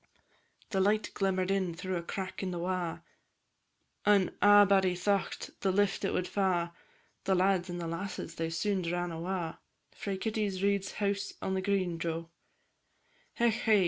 The light glimmer'd in through a crack i' the wa', An' a'body thocht the lift it wad fa', And lads and lasses they soon ran awa' Frae Kitty's Reid's house on the green, Jo! Hech, hey!